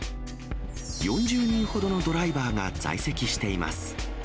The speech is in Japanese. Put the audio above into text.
４０人ほどのドライバーが在籍しています。